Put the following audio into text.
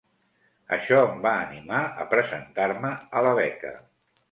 Això em va animar a presentar-me a la beca.